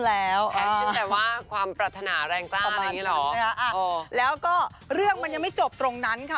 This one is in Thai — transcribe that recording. แล้วก็เรื่องมันยังไม่จบตรงนั้นค่ะ